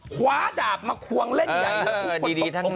คว้าดาบมะควงเล่นใหญ่ดินที่ปรดต่อทันตะคน